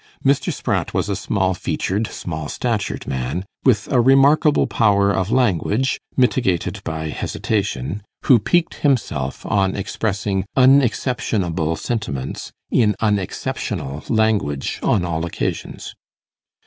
Mr. Spratt was a small featured, small statured man, with a remarkable power of language, mitigated by hesitation, who piqued himself on expressing unexceptionable sentiments in unexceptional language on all occasions.